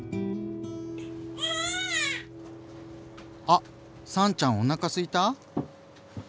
あっ燦ちゃんおなかすいた？